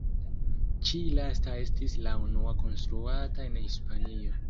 Ĉi lasta estis la unua konstruata en Hispanio.